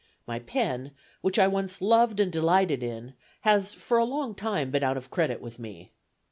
My pen, which I once loved and delighted in, has for a long time been out of credit with me.